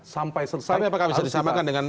sampai selesai harus dititahkan